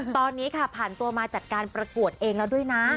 ตอนนี้ค่ะผ่านตัวมาจัดการประกวดเองแล้วด้วยนะ